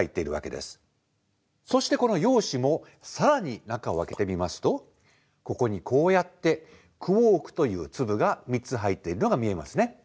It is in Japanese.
そしてこの陽子も更に中を開けてみますとここにこうやってクォークという粒が３つ入っているのが見えますね。